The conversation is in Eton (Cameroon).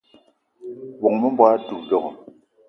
O bóng-be m'bogué a doula do?